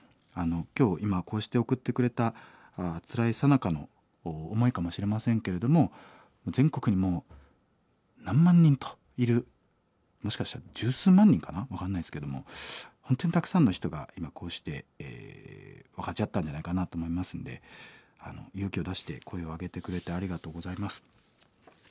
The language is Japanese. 今日今こうして送ってくれたつらいさなかの思いかもしれませんけれども全国にもう何万人といるもしかしたら十数万人かな分かんないですけども本当にたくさんの人が今こうして分かち合ったんじゃないかなと思いますんで勇気を出して声を上げてくれてありがとうございます。